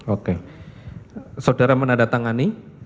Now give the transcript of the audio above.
oke saudara menandatangani